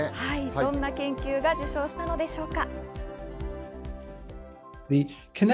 どんな研究が受賞したのでしょうか？